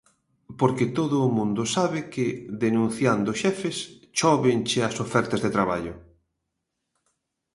Porque todo o mundo sabe que, denunciando xefes, chóvenche as ofertas de traballo.